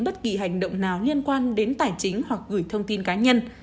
bất kỳ hành động nào liên quan đến tài chính hoặc gửi thông tin cá nhân